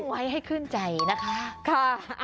ไว้ให้ขึ้นใจนะคะ